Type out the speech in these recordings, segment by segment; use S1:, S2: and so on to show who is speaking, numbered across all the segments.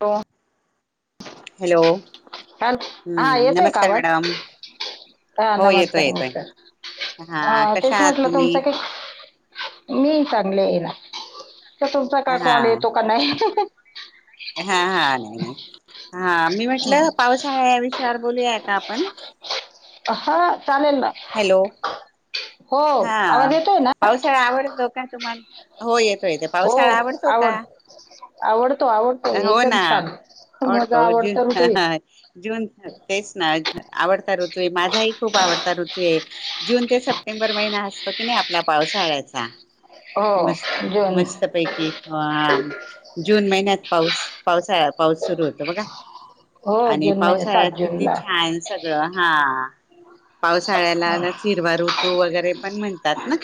S1: हो
S2: हॅलो
S1: हा
S2: हम्म
S1: येतोय का
S2: नमस्कार
S1: आवाज
S2: मॅडम
S1: ह
S2: हो येतोय
S1: नमस्कार
S2: येतोय
S1: नमस्कार
S2: हा
S1: अ
S2: कशा
S1: तेच
S2: आहात
S1: म्हटलं
S2: तुम्ही
S1: तुमचा काही मी चांगले आहे ना. तुमचा
S2: हा
S1: काय कॉल येतो का नाही.
S2: हा हा नाही नाही. हा मी म्हटलं पावसाळ्या विषयावर- बोलूया का आपण.
S1: हा चालेल ना
S2: हॅलो
S1: हो
S2: हा
S1: आवाज येतोय ना
S2: पावसाळा आवडतो का तुम्हाला हो येतो येतो
S1: हो
S2: पावसाळा आवडतो का
S1: आवड आवडतो आवडतो
S2: हो
S1: एकदम
S2: ना
S1: छान माझा
S2: आवडतो ज
S1: आवडता ऋतू आहे.
S2: तेच ना आवडत. तर माझाही खूप आवडतं- ऋतू जून ते सप्टेंबर महिना असतो की नाही आपला पावसाळ्याचा.
S1: हो
S2: मस्त
S1: जून
S2: मस्त पैकी ओ आ - जून महिन्यात पाऊस पावसाळा पाऊस सुरू होतो बघा.
S1: हो
S2: आणि
S1: जून महिने
S2: पावसाळ्यात
S1: सात
S2: किती
S1: जूनला
S2: छान सगळं हा हा हा. पावसाळ्याला चिरवा रूत- [unintelligible] [unintelligible] तू वगैरे पण म्हणतात ना?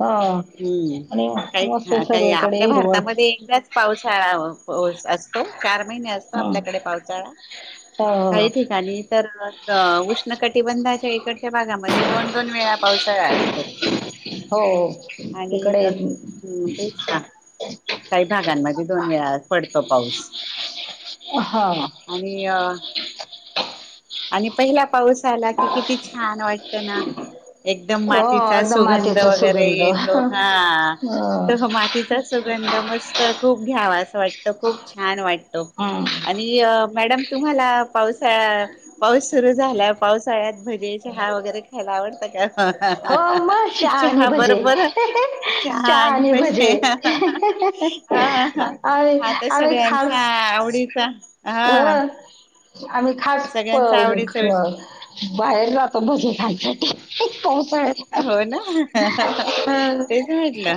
S1: हो
S2: हम्म
S1: आणि
S2: काही
S1: मस्त
S2: काही
S1: सर्वीकडे
S2: आपल्या
S1: हिरवळ
S2: भारतामध्ये एकदाच पावसाळा हो असतो, चार महिने असतो
S1: हं.
S2: आपल्याकडे पावसाळा.
S1: हो
S2: काही ठिकाणी इंटरनल अ उष्ण कटी बंदात इकडच्या भागामध्ये दोन दोन वेळा पावसाळा असतो
S1: हो
S2: आणि
S1: तिकडे
S2: तेच ना काही भागांमध्ये दोन वेळा पडतो पाऊस
S1: हा
S2: आणि अ आणि पहिला- पाऊस आला की किती छान वाटत ना, एकदम
S1: हो
S2: मातीचा
S1: एकदम
S2: सुगंध
S1: मातीचा
S2: वगैरे
S1: सुगंध
S2: येतो,
S1: हं.
S2: हा तसा मातीचा सुगंध मस्त खूप घ्यावा असं वाटतं खूप छान वाटतं
S1: हं.
S2: आणि मॅडम तुम्हाला पावसाळा पाऊस सुरू झाला पावसाळ्यात भजे चहा वगैरे खायला आवडतं का? हं हा
S1: हो
S2: हा
S1: मग आणि
S2: चहा
S1: भजे
S2: बरोबर, चहा आणि भजे हा हा
S1: आम्ही
S2: हा तर
S1: आम्ही
S2: सगळ्यांचा
S1: खास
S2: आवडीचा हा
S1: हो आम्ही खास
S2: सगळ्यांचा आवडीचा विषय
S1: बाहेर जातो भजे खायसाठी पावसाळ्यात
S2: हो ना
S1: हं.
S2: तेच म्हंटल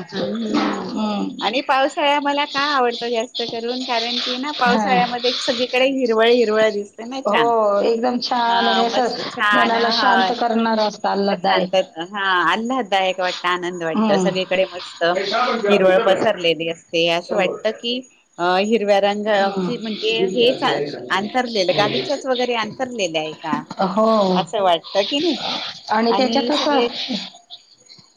S1: हं.
S2: आणि पावसाळ्या मला का आवडतं जास्त करून, कारण की ना
S1: हं.
S2: पावसाळ्यामध्ये सगळीकडे हिरवळी
S1: हो एकदम छान आणि
S2: हा मस्त
S1: एक
S2: छान
S1: मनाला
S2: हा
S1: शांत करणार असत, आल्हाद
S2: शांत
S1: दायक
S2: हा आल्हाद दायक वाटत, आनंद वाटत
S1: हम्म
S2: सगळीकडे मस्त
S1: हे शंभर रुपया,
S2: हिरवळ
S1: किती रुपये?
S2: पसरलेली असत ते असं
S1: शंभर
S2: वाटत
S1: रुपया.
S2: की अ हे [unintelligible] हिवळ्या रंगाची म्हणजे हे आतरलेल गालीच्याच वैगरे आंथरलेल आहे का?
S1: हो
S2: अस वाटत की नाही आणि
S1: त्याच्यात असं
S2: सगळे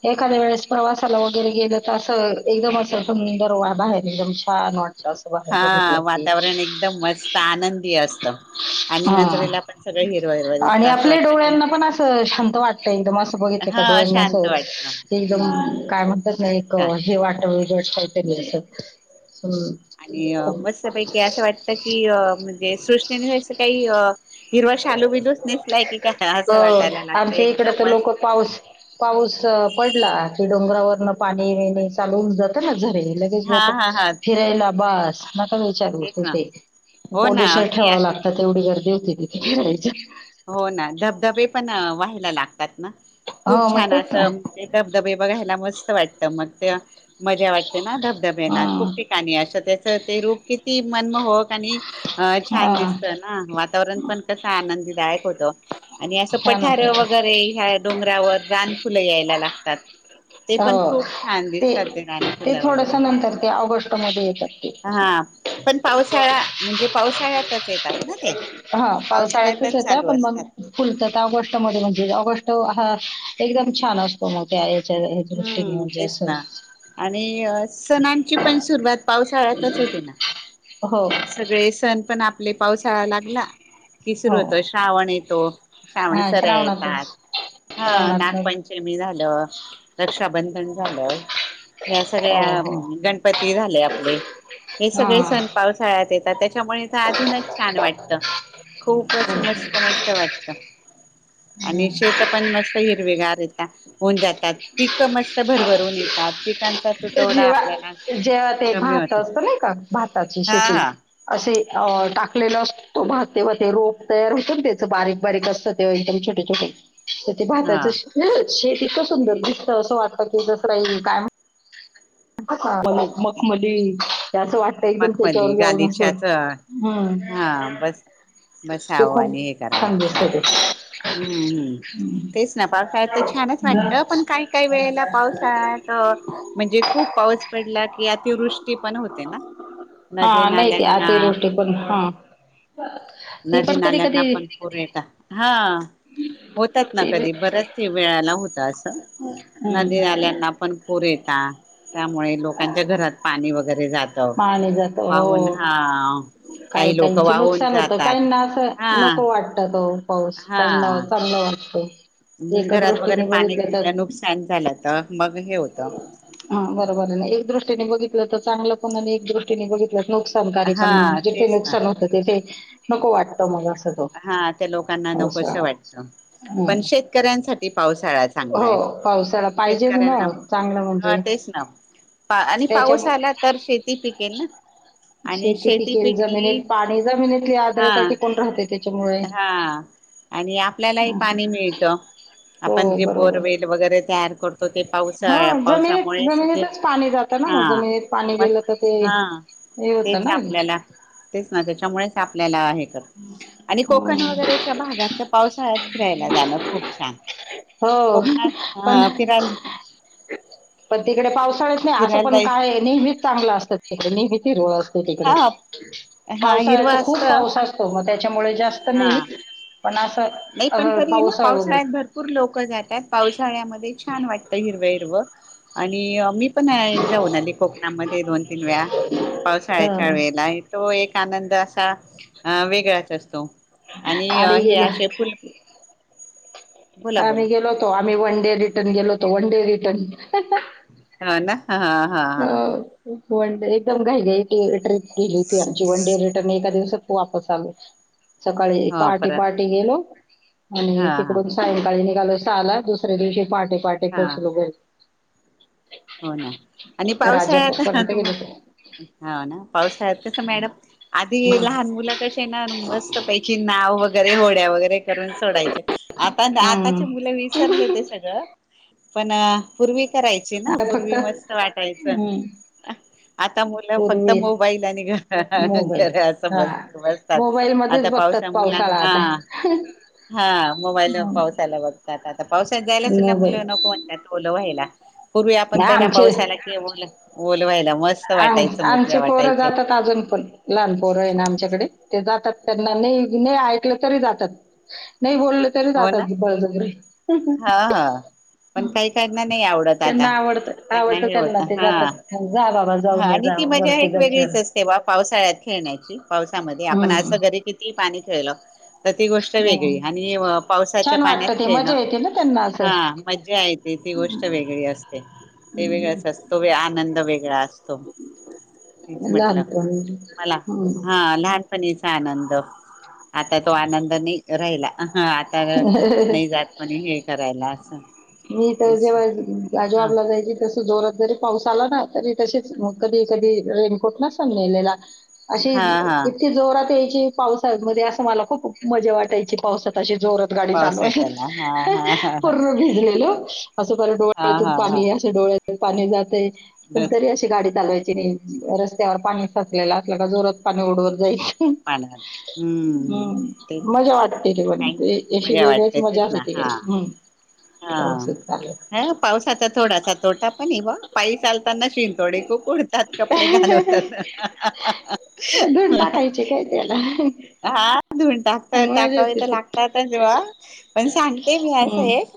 S1: एखाद्या वेळेस प्रवासाला वगैरे गेलं तर, असं एकदम असं सुंदर बाहेर एकदम छान वाटतं अस [inaudible]
S2: हा वातावरण एकदम मस्त आनंदी असत. आणि
S1: ह
S2: नजरेला पण सगळं हिरव हिरव दिसत
S1: आणि
S2: असं
S1: आपल्या
S2: वाटत की
S1: डोळ्यांना पण असं शांत वाटत. एकदम असं बघितलं का
S2: हा
S1: डोळ्यांना अस
S2: शांत वाटत.
S1: एकदम
S2: हम्म
S1: काय? म्हणतात ना एक
S2: का
S1: हे वाट [unintelligible] हम्.
S2: मस्त पैकी असं वाटत की म्हणजे सृष्टीने अस काही हिरवा शालू बिलूच नेसलाय की काय,
S1: हो
S2: असं वाटायला लागत
S1: आमच्या इकडे
S2: एकदम
S1: तर लोक
S2: मस्त.
S1: पाऊस पाऊस अ, पडला की डोंगरावरन पाणी विणी चालवून जातं ना झरी लगेच
S2: हा
S1: नको
S2: हा हा
S1: फिरायला आप बस न का विचारू
S2: तेच ना
S1: ते
S2: हो ना
S1: पोलिसर ठेवावं
S2: ते
S1: लागतात तेवढी गर्दी होती तिथे केरायच्या.
S2: लला ल यातना खूप छान असं म्हणजे धबधबे बघायला मस्त वाटत. त्या मगत्या मजा वाटते ना
S1: हा
S2: धबधबेना खूप ठिकाणी अशं तेच त ते रोग कि ती मनमहक आणि अ छान
S1: हा
S2: दिसत ना, वातावरण पण कस आनंदीदायक होत. आणि असं
S1: छान
S2: पठार
S1: होतं ते.
S2: वगैरे ह्या जावर रान फुलं यायला लागतात. ते पण
S1: हो
S2: खूप छान दिसतात ते
S1: ते
S2: रानफुलं
S1: थोडस
S2: वगैरे
S1: नंतर ते ऑगस्ट मध्ये येतात ते
S2: पण हा पण पावसाळा म्हणजे पावसाळ्यातच येतात ना ते
S1: हा
S2: पावसाळ्यातच
S1: येतं
S2: चालू
S1: पण
S2: असतात.
S1: गोष्ट ह एकदम छान असतो मग त्या दृष्टीने
S2: हम्म
S1: म्हणजे
S2: तेच
S1: असं
S2: ना आणि सणांची पण सुरुवात पावसाळ्यातच होते ना
S1: हो
S2: सगळे सण पण आपले पावसाळा लागला कि सुरू
S1: हो
S2: होतो श्रावण येतो, श्रावण
S1: हा
S2: सऱ्या
S1: श्रावणातच
S2: येतात. हा
S1: श्रावणातच
S2: नागपंचमी झालं रक्षाबंधन झालंय. या
S1: हो
S2: सर्या
S1: हो
S2: गणपती ती झाले आपले हे
S1: हा
S2: सगळे सण पावसाळ्यात येता. [unintelligible] त्यामुळे तर अजूनच छान वाटत. करता खूपच मस्त मस्त वाटत. अच्छा.
S1: हम्म.
S2: आणि शेत पण मस्त येत. हिरवेगार येता, होऊन जातात. पिकं मस्त भरभरून येतात. पिकांच
S1: जेव्हा जेव्हा ते भात
S2: होत
S1: असत नाही का? भाताची
S2: हा
S1: शेती
S2: हा
S1: असे अ टाकलेला असतो भात तेव्हा ते रोप तयार होतो ना, त्याचं बारीक बारीक असतं, तेव्हा एकदम छोटे छोटे तर ते भाताच
S2: हा
S1: शेत [unintelligible] शेत इतकं सुंदर दिसत असं वाटतं की जत्रा येईल काय? [unintelligible] मखमली असं वाटतं एकदम
S2: मखमली
S1: त्याच्यावर जाऊन असं
S2: गालीच्याच
S1: हम्म
S2: हा बस
S1: ते
S2: बसावं
S1: खूप
S2: आणि हे करावं
S1: छान
S2: असं
S1: दिसत ते
S2: वाटत हम्म तेच ना पावसाळ्यात तर छानच वाटत पण काही काही वेळेला पावसाळ्यात म्हण म्हणजे खूप पाऊस पडला कि अतिवृष्टी पण होते ना,
S1: हा
S2: नदी
S1: नाही ते
S2: नाल्यांना
S1: अतिवृष्टी पण हा. ते
S2: नदी
S1: पण कधी
S2: नाल्यांना
S1: कधी
S2: पण पूर येतात हा. होतात ना
S1: ते
S2: कधी बरच वेळाला होत असं नदी
S1: हम्म
S2: नाल्यांना पण पूर पुर येणार [unintelligible] त्यामुळे लोकांच्या घरात पाणी वग वगैरे जात
S1: पाणी जात
S2: वाहून
S1: हो
S2: ह काही लोक वाहून जात.
S1: काहीना असं नको वाटतं. हो. पाऊस
S2: हा
S1: काहींना चांगला वाटतो. एका
S2: घरात वगैरे
S1: दृष्टीने
S2: पाणी
S1: बघितलं तर
S2: घुसले नुकसान झालं तर मग हे होत.
S1: हा बरोबर एक दृष्टीने बघितलं तर चांगलं. कोनाले एक दृष्टीने बघितल. नुकसानकारी
S2: हा
S1: पण जिथे
S2: तेच ना
S1: नुकसान होतं तिथे नको वाटतं मला असं. तो
S2: हा त्या लोकांना
S1: पावसाळा.
S2: नकोस वाटत.
S1: हं.
S2: पण शेतकऱ्यांसाठी पावसाळा चांगला आहे.
S1: हो पावसाळा पाहिजेच ना
S2: शेतकऱ्यांना
S1: चांगलं
S2: ह
S1: म्हणजे
S2: तेच ना आणि
S1: त्याच्या
S2: पाऊस आला तर शेत
S1: शेती टिकेल
S2: पिकली
S1: जमिनीत पाणी जमिनीतली
S2: हा
S1: आर्द्र टिकून राहत.
S2: हा आणि आपल्यालाही
S1: असं.
S2: पाणी मिळत आपण
S1: हो
S2: जे
S1: बरोबर.
S2: बोरवेल वगैरे तयार करतो ते
S1: हा
S2: पावसाळ्या
S1: जमिनीत
S2: पावसामुळे ते
S1: जमिनीतच पाणी जातं ना
S2: हा
S1: मग जमिनीत पाणी
S2: म.
S1: गेलं तर ते
S2: हा
S1: हे
S2: तेच
S1: होतं ना.
S2: हे आपल्याला तेच ना त्याच्यामुळे तापल्याला आहे कर. आणि कोकण
S1: हं.
S2: वगैरेच्या भागात तर पाऊस का [unintelligible] चिराहायला जाणं. खूप छान.
S1: हो
S2: कोकणात
S1: पण
S2: अ फिरायला
S1: पण तिकडे पाऊस काहीच नाही असं
S2: फिरायला
S1: पण
S2: जायच
S1: काय नेहमीच चांगलं असतात. ही घेती रोज तिकडे
S2: हा हा हिरवा
S1: पावसाळ्यात खूप
S2: असत
S1: पाऊस
S2: पण
S1: असतो मग त्याच्यामुळे जात. जास्त
S2: हा
S1: नाही पण असं असं पाऊसा वे....
S2: पावसाळ्या मध्ये छान वाटत हिरवा हिरवाआणि ह.... मी पण जाऊन आली कोकणामध्ये दोन तीन वेळा पावसाळ्याच्या
S1: हा.
S2: वेळेला तो एक..... आनंद असा अ वेगळाच असतो. आणि
S1: आम्ही
S2: हे
S1: गेलो
S2: असे फुल बोला बोला
S1: आम्ही गेलोतो आम्ही वनडे... डे रिटर्न गेलोतो वन डे रिटर्न.
S2: हा ना. हा हा हा.
S1: पण एकदम काय का टे... गली होती आमची वन डे रिर्न एका दिवस. ू वापस आलो सकाळी
S2: हा
S1: पहाटे
S2: परत
S1: पहाटे गेलो. आणि
S2: हा हा
S1: तिकडून सायंकाळी नि... ो सहाला दुसर दिवशी... पहाटे पहाटे
S2: हा
S1: पोचलो घरी
S2: हो ना आणि
S1: राजापूरपर्यंत
S2: पावसाळ्यात तु
S1: गेले होते.
S2: हा ना पावसाळ्यात कसं मॅडम आधी
S1: हम्म.
S2: लहान मुलं कश ना मस्त पहिज नाव वगैरे होड्यावरैर.... करून सोडायचे आता आताचे मुलं विसरले ते सगळं. पण पूर्वी. करायची ना.
S1: आता फक्त
S2: मस्त वाटायच
S1: हम्म
S2: आता मुलं फक्त
S1: पूर्वी
S2: मोबाईल आणि
S1: मोबाईल
S2: घर अस
S1: हा
S2: ब बसतात
S1: मोबाईल मध्येच
S2: आता
S1: बघतात
S2: पावसा मुलां
S1: पावसाळा
S2: हा
S1: आता.
S2: हा मोबाईल पावसाला बघतात आता पावसात जायला सुद्धा
S1: मोबाईल
S2: मुलं नको म्हणतात. बघूया पण
S1: नाही
S2: पहिल्या
S1: आमचे
S2: पावसाला केवळ ओल वयला
S1: आमचे पोरं जातात अजून पण लहान पोरं आहे ना आमच्याकडे ते जातात त्यांना नाही नाही ऐकलं तरी जातात नाही बोललं तरी
S2: हो ना
S1: जातात बळजबरी
S2: हा हा पण काही काहीना नाही आवडत
S1: त्यांना
S2: आता
S1: आवडत आवडत
S2: हे होत
S1: त्यांना ते
S2: हा
S1: जातात जा बाबा
S2: हा
S1: जाऊन ये
S2: आणि
S1: जा
S2: ती मजा
S1: वरती
S2: एक वेगळीच
S1: गच्चीवर.
S2: असते बा पावसाळ्यात खेळण्याची पावसामध्ये आपण
S1: हम्म
S2: असं घरी किती ल [unintelligible] तर ती गोष्ट
S1: हम्म.
S2: वेगळी आणि पावसाच्या
S1: छान
S2: पाण्यात
S1: वाटतं ते
S2: खेळणं
S1: मजा येते ना त्यांना असं
S2: हा मजा येत ती गोष्ट वेगळी असते ते वेगळाच असतो आनंद वेगळा असतो तेच म्हटलं
S1: लहानपणी
S2: मला
S1: हम्म.
S2: हा लहान आधीचा आनंद आता तो आनंद नाही राहिला आता
S1: ह ह
S2: नाही जात म्हणे हे करायला असं
S1: मी तर
S2: तेच
S1: जेव्हा
S2: हा
S1: जॉब ला जायची तस जोरात बर पाऊस आला ना तरी तसे ग कधी कधी रेनकोट न सांग नेलेला अशी
S2: हा हा
S1: इतकी जोरात यायची पावसामध्ये असं मला खूप मजा वाटायची पावसात ते जोरात गाडी
S2: पाऊस
S1: चालू आहे
S2: त्याला हा हा हा हा
S1: पूर्ण भिजलेल असं करत
S2: हा
S1: डोळ्यातून
S2: हा हा
S1: पाणी असे डोळ्या पाणी जाते पण
S2: दच
S1: तरी अशी गाडी चालवाय रस्त्यावर पाणी साचलेलं असलं का जोरात पाणी ओढवर जाईल
S2: पा हम्म तेच
S1: मजा वाटते ते पण
S2: ना
S1: ते अशी
S2: मजा
S1: वेगळीच मजा
S2: वाटतेतच
S1: असते
S2: ना
S1: ती
S2: हा
S1: काही हम्म
S2: हा
S1: व्यवस्थित चाललंय
S2: हा पावसाचा थोडासा तोटा पण बा पाय चालताना शिंतोडे खूक उडतात कपडे घाण होतात हा हा हा
S1: ला
S2: धून टाकता टाकावे तर लागतातच वा पण सांगते मी असं
S1: हम्म
S2: एक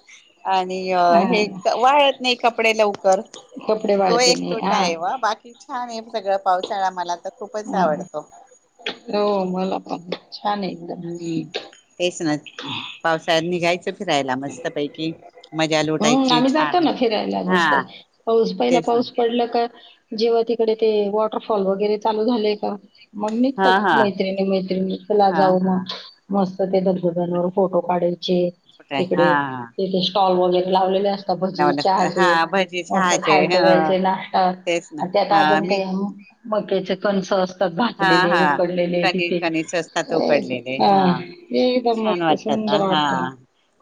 S2: आणि
S1: हा
S2: हे वाळत नाही कपडे लवकर
S1: कपडे
S2: तो
S1: वाळते
S2: एक
S1: नाही
S2: तोटा
S1: हा
S2: आहे वा बाकी छान आहे सगळं पाऊससाळा मला तर खुपच
S1: हम्म.
S2: आवडतो
S1: हो मला पा
S2: हम् तेसना पावसा निघायचं. राला मस्त पैकी.
S1: हम्म आम्ही जातो ना फिरायला नसत
S2: हा
S1: पाऊस पहिला
S2: तेच ना
S1: पाऊस पडल का. जेव्हा तिकडे ते वॉटरफॉल वगैरे चालू झालेय का... मग
S2: हा
S1: म
S2: हा
S1: मैत्रिणी मैतिणीला
S2: हा
S1: जाऊ
S2: हा
S1: मग मस्त ते
S2: मग
S1: दगगदांवर फोटो काढायचे
S2: कुठे हा
S1: तिकडे ते. तॉल ब... लावलेले अस... भजी
S2: लावलं हा
S1: चहाचे
S2: भजी
S1: असं
S2: चहाचे
S1: खायचं
S2: ह
S1: वेयचे नाश्तात
S2: तेच ना
S1: आणि त्यात
S2: हा
S1: अजून
S2: मी
S1: ते. बके चिकन सॉस...
S2: हा हा कधी कधच असतात
S1: अ,
S2: उकडलेले हा
S1: एकदम
S2: छान
S1: मस्त
S2: वाटतात
S1: सुंदर
S2: हा
S1: वाटतं ना.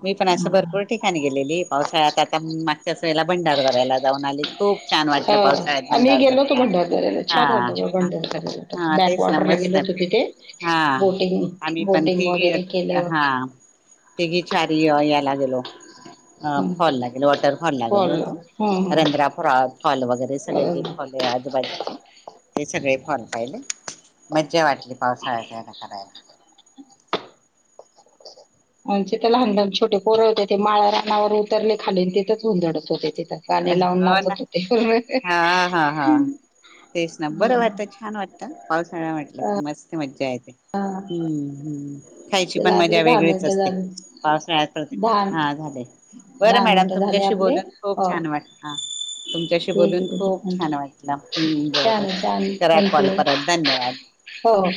S2: मी पण असं भरपूर ठिकाणी गेलेली.... पावसाळ्यात आता मागच्याच वळेला भंडार दरायला जाऊन आली खूप छान
S1: हा
S2: वाटलं पावसाळ्यात
S1: आम्ही
S2: भंडार
S1: गेलो होतो
S2: दरायला
S1: भंडारदऱ्याला छान वाटलं बघ
S2: हा....
S1: भंडारदऱ्याला
S2: हा
S1: बॅक
S2: तेच ना
S1: वॉटरला
S2: मस्त
S1: गेलो होतो तिथे
S2: हा
S1: बोटिंग
S2: आ्ही पण
S1: बोटिंग
S2: तिघ
S1: वगैरे केलं
S2: हा तिघी चारी या लागे.... गलो. अ फॉल लागेल वॉटर फॉल लागेल होतो रंध्रा फ फॉल वगैरे... सग ते
S1: अं,
S2: फॉले... ज ते सगळे फण... मज्जा वाटली पावसाळ्यात त्याला करायला.
S1: म्ह ते लहान लहान छोटे पोर होते ते माळळा.... वर उतरले खाली तेथच हुंधडत होते ते.
S2: हो ना हा हा हा तेच ना बरं
S1: हम्म.
S2: वाटत छान वाटतं पावसाळ्या म्हटलं कि मस्त.... मजा य... हम्म हम्म. खायची
S1: तिला
S2: पण मजा
S1: आपले दहा
S2: वेगळीच
S1: मिनिटं
S2: असते
S1: झाले
S2: पावसाळ्यात प्र
S1: दहा
S2: हा झाले बरं
S1: दहा
S2: मॅडम
S1: मिनिटं झाले
S2: तुमच्याशी
S1: आपले
S2: बोलून खूप....
S1: हो
S2: छान वाटला तुमच्याशी
S1: ठीक
S2: बोलून खूप
S1: आहे ठीक
S2: छान
S1: आहे थँक्यू
S2: वाटला ह्
S1: छान
S2: बरं
S1: आहे छान
S2: करा कॉल
S1: थँक्यू
S2: परत धन्यवाद.
S1: हो हो